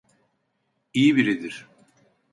İyi biridir.